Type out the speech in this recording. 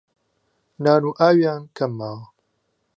نان و ئاویان کەم ماوە